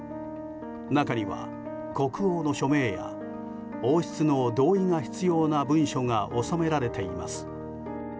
中には国王の署名や王室の同意が必要な文書が収められています。